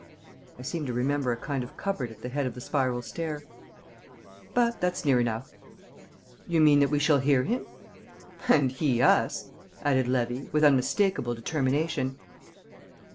I seemed to remember a kind of cupboard at the head of the spiral stair. "But that's near enough." "You mean that we shall hear him?" "And he us!" added Levy, with unmistakable determination.